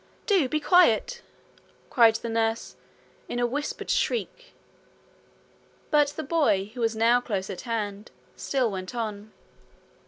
'Do be quiet,' cried the nurse, in a whispered shriek. But the boy, who was now close at hand, still went on.